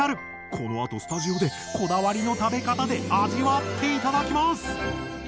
このあとスタジオでこだわりの食べかたで味わって頂きます！